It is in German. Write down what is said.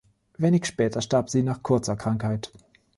Wenig später starb sie nach kurzer Krankheit.